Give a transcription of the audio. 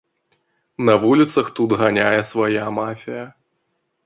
На вуліцах тут ганяе свая мафія.